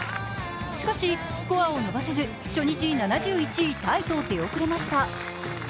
しかし、スコアを伸ばせず初日７１位タイと出遅れました。